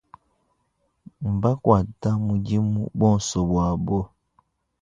Bakuata mudimu bonso buabo.